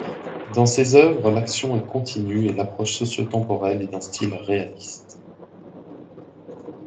Dans ses œuvres l’action est continue et l’approche socio-temporelle est d’un style réaliste.